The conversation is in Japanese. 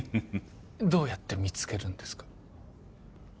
どうやって見つけるんですか？